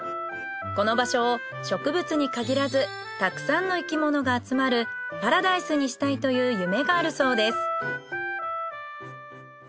この場所を植物に限らずたくさんの生き物が集まるパラダイスにしたいという夢があるそうです。